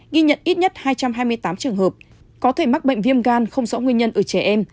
ghi nhận ít nhất hai trăm hai mươi tám trường hợp có thể mắc bệnh viêm gan không rõ nguyên nhân ở trẻ em